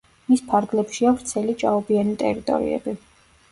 მის ფარგლებშია ვრცელი ჭაობიანი ტერიტორიები.